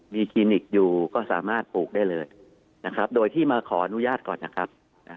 มีคลินิกอยู่ก็สามารถปลูกได้เลยนะครับโดยที่มาขออนุญาตก่อนนะครับ